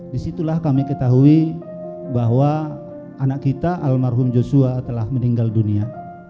disitulah kami ketahui bahwa anak kita almarhum joshua telah meninggal dunia